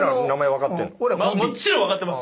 もちろん分かってます。